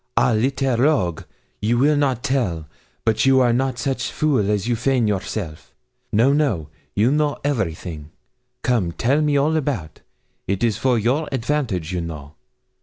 'Ah, little rogue! you will not tell but you are not such fool as you feign yourself. No, no; you know everything. Come, tell me all about it is for your advantage, you know.